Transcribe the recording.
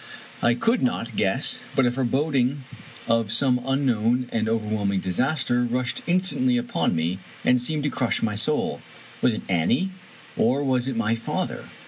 I could not guess, but a foreboding of some unknown and overwhelming disaster rushed instantly upon me, and seemed to crush my soul. Was it Annie, or was it my father?